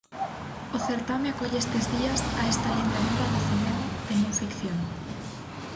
O certame acolle estes días a esta lenda viva do cinema de non ficción.